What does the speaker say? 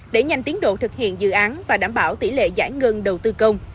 để nhanh tiến độ thực hiện dự án và đảm bảo tỷ lệ giải ngân đầu tư công